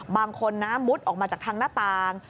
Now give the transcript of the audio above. บางคนน้ำมุดออกมาจากทางหน้าต่าง